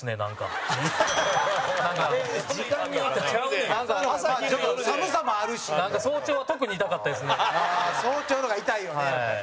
蛍原：早朝の方が痛いよね。